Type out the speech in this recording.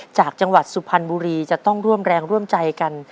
จากจังหวัดสุพรรณบุรีจะต้องร่วมแรงร่วมใจกัน